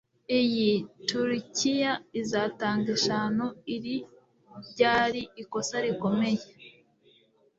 Iyi turkiya izatanga eshanu Iri ryari ikosa rikomeye